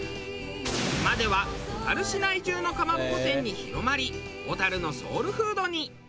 今では小樽市内中のかまぼこ店に広まり小樽のソウルフードに！